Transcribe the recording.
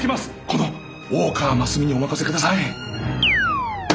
この大河真澄にお任せください！